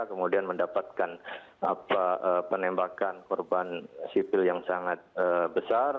kemudian mendapatkan penembakan korban sipil yang sangat besar